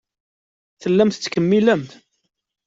Tellamt tettkemmilemt.